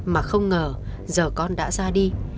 mà không ngờ giờ con đã ra đi